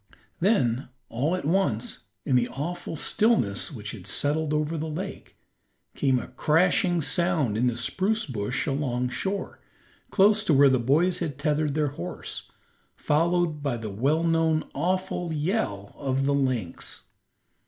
Then all at once, in the awful stillness which had settled over the lake, came a crashing sound in the spruce bush along shore, close to where the boys had tethered their horse, followed by the well known, awful yell of the lynx.